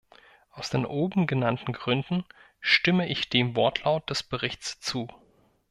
Aus den oben genannten Gründen stimme ich dem Wortlaut des Berichts zu.